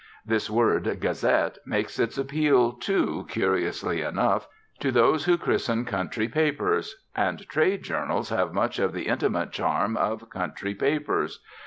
This word "gazette" makes its appeal, too, curiously enough, to those who christen country papers; and trade journals have much of the intimate charm of country papers.